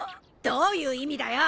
どういう意味だよ！